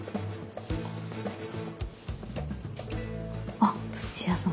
あ土屋さん